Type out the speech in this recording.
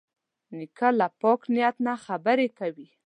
نیکه له پاک نیت نه خبرې کوي.